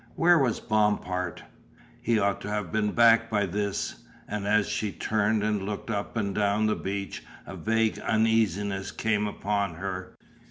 Where was Bompard? He ought to have been back by this, and as she turned and looked up and down the beach a vague uneasiness came upon her.